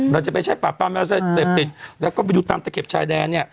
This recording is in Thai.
เราจะไปใช้ปราบปรามยาเสพติดแล้วก็ไปดูตามตะเข็บชายแดนเนี่ย